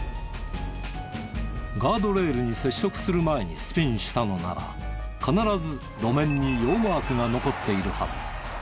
ガードレールに接触する前にスピンしたのなら必ず路面にヨーマークが残っているはず。